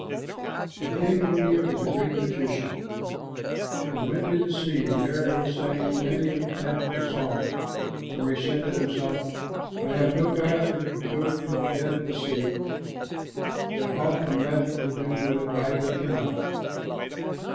This king of India was a great magician. He went to the sea, and there he sang many a magical song, for he said to himself, "I have no diver who can go to the bed of the sea, but often magic will do what a diver cannot."